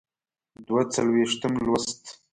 دوه څلویښتم لوست.